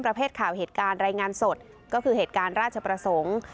ประเภทข่าวเหตุการณ์รายงานสดก็คือเหตุการณ์ราชประสงค์